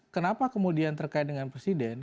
kenapa kemudian terkait dengan presiden